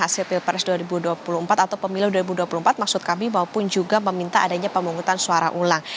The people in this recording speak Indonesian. hasil pilpres dua ribu dua puluh empat atau pemilu dua ribu dua puluh empat maksud kami maupun juga meminta adanya pemungutan suara ulang